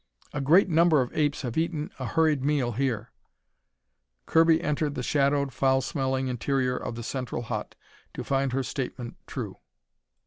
"A great number of apes have eaten a hurried meal here!" Kirby entered the shadowed, foul smelling interior of the central hut to find her statement true.